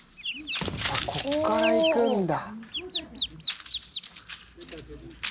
あっここから行くんだ。